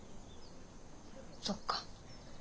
そっか。